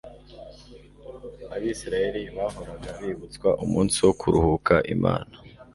Abisirayeli bahoraga bibutswa umunsi wo kuruhuka Imana